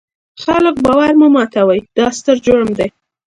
د خلکو باور مه ماتوئ، دا ستر جرم دی.